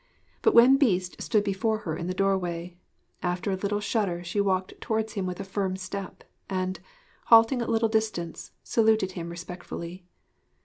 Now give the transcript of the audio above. But when the Beast stood before her in the doorway, after a little shudder she walked towards him with a firm step, and, halting at a little distance, saluted him respectfully.